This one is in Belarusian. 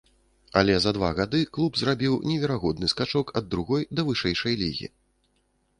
Але за два гады клуб зрабіў неверагодны скачок ад другой да вышэйшай лігі.